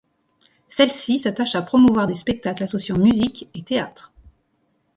Celle-ci s'attache à promouvoir des spectacles associant musique et théâtre.